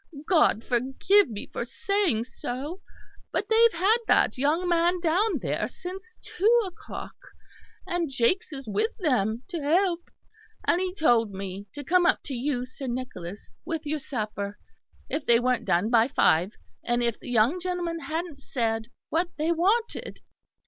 God forgive me for saying so; but they've had that young man down there since two o'clock; and Jakes is with them to help; and he told me to come up to you, Sir Nicholas, with your supper, if they weren't done by five; and if the young gentleman hadn't said what they wanted."